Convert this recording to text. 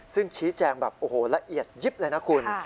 ซึ่งชี้แจงแบบโอ้โหละเอียดยิบเลยนะคุณ